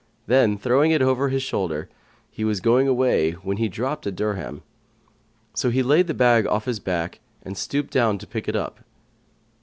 Then, throwing it over his shoulder, he was going away, when he dropped a dirham; so he laid the bag off his back and stooped down to pick it up.